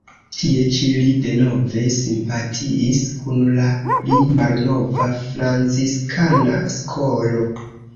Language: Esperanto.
Tie ĉi li denove simpatiis kun la pli malnova, franciskana skolo.